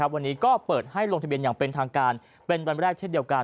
วันนี้ก็เปิดให้ลงทะเบียนอย่างเป็นทางการเป็นวันแรกเช่นเดียวกัน